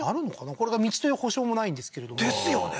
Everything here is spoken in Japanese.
これが道という保証もないんですけれどもですよね